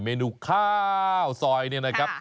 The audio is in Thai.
เมนูข้าวซอยเนี่ยนะครับ